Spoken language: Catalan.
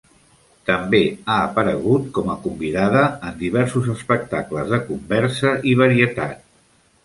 També ha aparegut com a convidada en diversos espectacles de conversa i varietat.